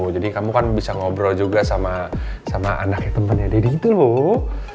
jadi kamu kan bisa ngobrol juga sama anaknya temennya deddy gitu loh